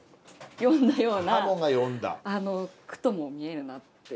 詠んだような句とも見えるなって。